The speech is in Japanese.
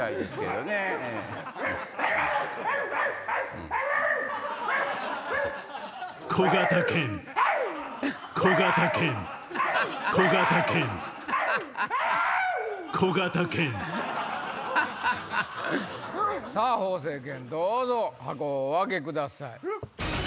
どうぞ箱をお開けください。